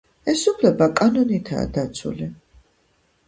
ეს უფლება კანონითაა დაცული.